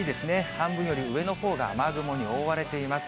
半分より上のほうが雨雲に覆われています。